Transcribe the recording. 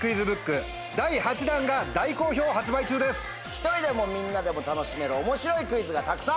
１人でもみんなでも楽しめる面白いクイズがたくさん！